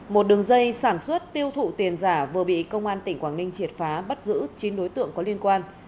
một đường dây sản xuất tiêu thụ tiền giả vừa bị công an tỉnh quảng ninh triệt phá bắt giữ chín đối tượng có liên quan